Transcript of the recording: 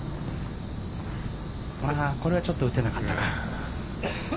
これはちょっと打てなかったか。